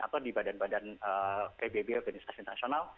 atau di badan badan pbb atau organisasi nasional